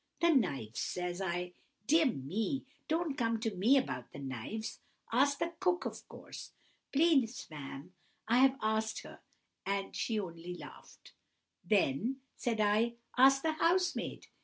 "'No knives!' says I. 'Dear me, don't come to me about the knives. Ask the cook, of course.' "'Please, ma'am, I have asked her, and she only laughed.' "'Then,' said I, 'ask the housemaid.